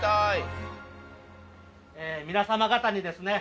ええ皆様方にですね